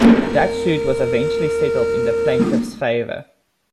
That suit was eventually settled in the plaintiffs' favor.